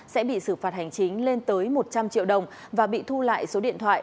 sẽ bị xử phạt hành chính lên tới một trăm linh triệu đồng và bị thu lại số điện thoại